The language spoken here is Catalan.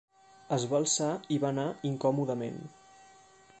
Es va alçar i va anar incòmodament.